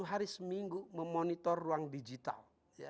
sepuluh hari seminggu memonitor ruang digital